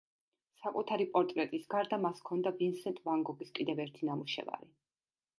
საკუთარი პორტრეტის გარდა მას ჰქონდა ვინსენტ ვან გოგის კიდევ ერთი ნამუშევარი.